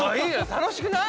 楽しくない？